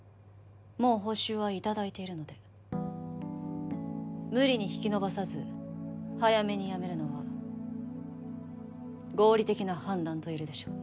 もう報酬はいただいているので無理に引きのばさず早めにやめるのは合理的な判断と言えるでしょう